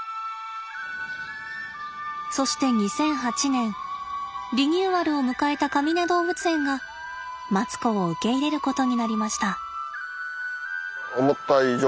そして２００８年リニューアルを迎えたかみね動物園がマツコを受け入れることになりました。